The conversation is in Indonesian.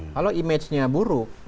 kalau image nya buruk